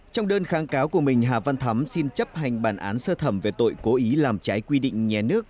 trong đơn kháng cáo của mình hà văn thắm xin chấp hành bản án sơ thẩm về tội cố ý làm trái quy định nhé nước